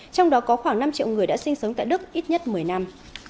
trong đó có khoảng năm triệu người đã sinh sống tại đức ít nhất một mươi năm